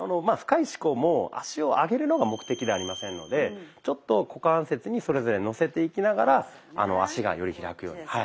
まあ深い四股も足を上げるのが目的ではありませんのでちょっと股関節にそれぞれのせていきながら足がより開くように。